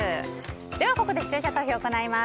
ではここで視聴者投票を行います。